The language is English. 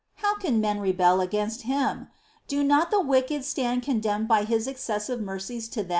How can men rebel against Him ? Do not the wicked stand condemned by His excessive mercies to them